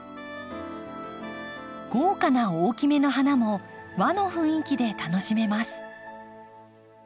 豪華な大きめの花も和の雰囲気で楽しめます。